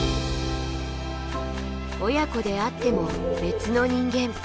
親子であっても別の人間。